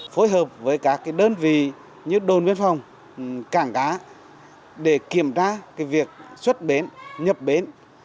phối hợp với các đơn vị như đồn biên phòng cảng cá để kiểm tra việc xuất bến nhập bến